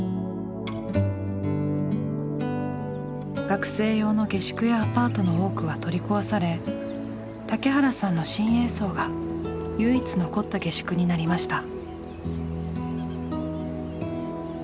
学生用の下宿やアパートの多くは取り壊され竹原さんの「新栄荘」が唯一残った下宿になりました。